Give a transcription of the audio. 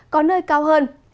có nơi cao hơn